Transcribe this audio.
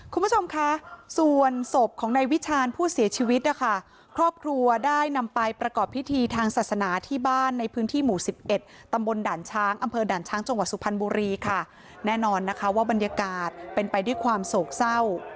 คุณผู้ชมคะส่วนศพของนายวิชาญผู้เสียชีวิตนะคะครอบครัวได้นำไปประกอบพิธีทางศาสนาที่บ้านในพื้นที่หมู่สิบเอ็ดตำบลด่านช้างอำเภอด่านช้างจังหวัดสุพรรณบุรีค่ะแน่นอนนะคะว่าบรรยากาศเป็นไปด้วยความโศกเศร้า